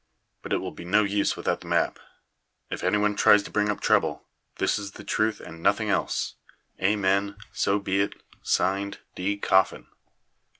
But it will be no use without the map. If any one tries to bring up trouble, this is the truth and nothing else. Amen. So be it. Signed, D. Coffin.